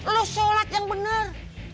lo sholat yang benar